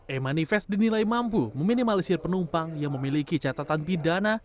e manifest dinilai mampu meminimalisir penumpang yang memiliki catatan pidana